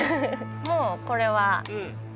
もうこれははい。